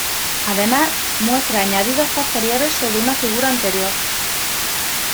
Además muestra añadidos posteriores sobre una figura anterior.